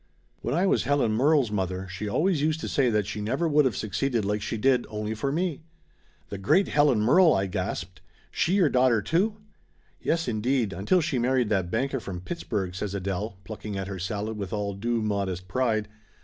When I was Helen Murrell's mother she always used to say that she never would of succeeded like she did only for me." "The great Helen Murrell!" I gasped. "She your daughter, too?" "Yes, indeed, until she married that banker from Pittsburgh," says Adele, plucking at her salad with all due modest pride.